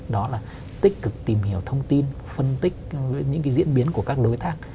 đó là tích cực tìm hiểu thông tin phân tích những cái diễn biến của các đối tác